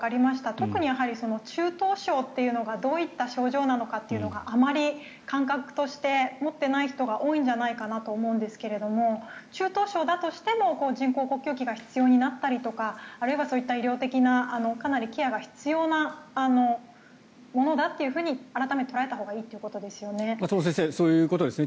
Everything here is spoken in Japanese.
特に中等症というのがどういった症状なのかというのがあまり感覚として持ってない人が多いんじゃないかなと思うんですが中等症だとしても人工呼吸器が必要になったりとかあるいはそういった医療的なケアがかなり必要なものだと改めて捉えたほうがいいということですよね。